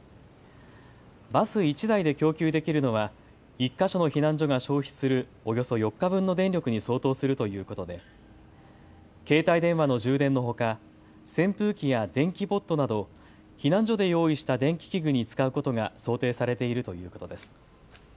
バス１台で供給できるのは１か所の避難所が消費するおよそ４日分の電力に相当するということで携帯電話の充電のほか扇風機や電気ポットなど避難所で用意した電気器具に使うことが想定されているということです。